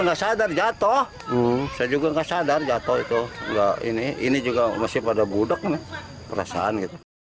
nggak sadar jatuh saya juga nggak sadar jatuh itu enggak ini ini juga masih pada budek perasaan gitu